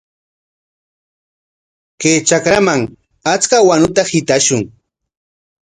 Chay trakraman achka wanuta hitashun.